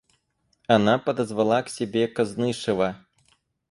Она подозвала к себе Кознышева.